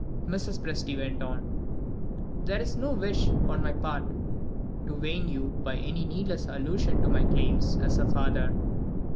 Mrs. Presty went on: "There is no wish, on my part, to pain you by any needless allusion to my claims as a father.